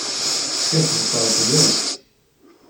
Teskaddbeḍ-aɣ-d, yak?